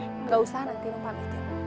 enggak usah nanti om pamit ya